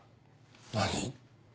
何⁉